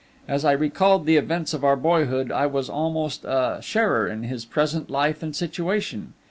As I recalled the events of our boyhood, I was almost a sharer in his present life and situation.